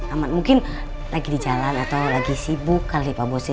ahmad mungkin lagi di jalan atau lagi sibuk kali pak bosnya